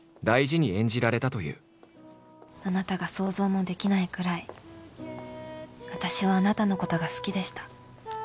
「あなたが想像もできないくらい私はあなたのことが好きでした」。